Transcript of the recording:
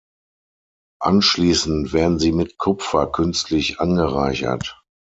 Anschließend werden sie mit Kupfer künstlich angereichert.